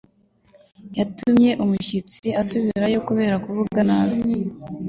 yatumye Umushyitsi asubirayo kubera kuvuga nabi